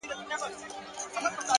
هر فکر د عمل پیل کېدای شي,